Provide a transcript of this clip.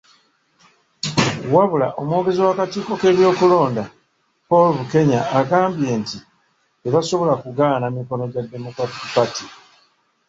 Wabula omwogezi w'akakiiko k'ebyokulonda, Paul Bukenya, agambye nti tebasobola kugaana mikono gya Democratic Party.